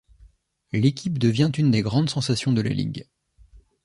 L’équipe devient une des grandes sensations de la ligue.